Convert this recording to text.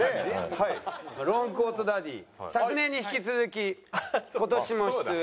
ロングコートダディ昨年に引き続き今年も出演。